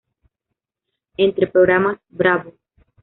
Entre programas, Bravo!